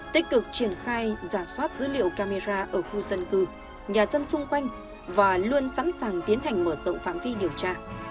tích cực triển khai giả soát dữ liệu camera ở khu dân cư nhà dân xung quanh và luôn sẵn sàng tiến hành mở rộng phạm vi điều tra